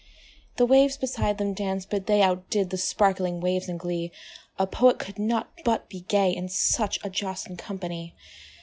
The waves beside them danced; but they Out did the sparkling waves in glee: A Poet could not but be gay In such a jocund company!